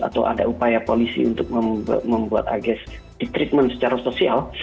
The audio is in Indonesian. atau ada upaya polisi untuk membuat agis ditreatment secara sosial